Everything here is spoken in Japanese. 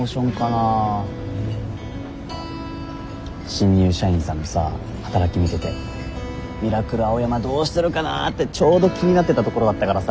新入社員さんのさ働き見ててミラクル青山どうしてるかなってちょうど気になってたところだったからさ。